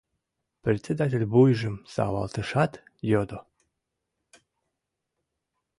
Председатель вуйжым савалтышат, йодо: